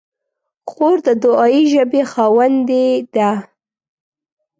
خور د دعایي ژبې خاوندې ده.